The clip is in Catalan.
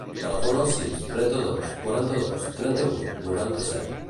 Telefona al sis, trenta-dos, quaranta-dos, trenta-vuit, noranta-set.